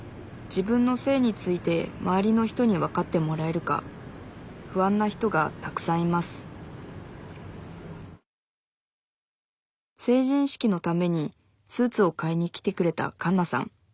自分の性について周りの人にわかってもらえるか不安な人がたくさんいます成人式のためにスーツを買いに来てくれたカンナさん。